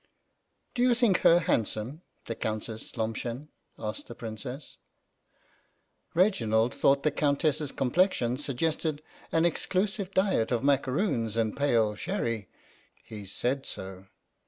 " Do you think her handsome, the Countess Lomshen ?" asked the Princess. Reginald thought the Countess's com plexion suggested an exclusive diet of macaroons and pale sherry. He said so.